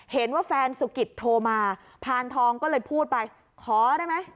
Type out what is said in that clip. เห็นว่าแฟนสุกิตโทรมาพานทองก็เลยพูดไปขอได้ไหม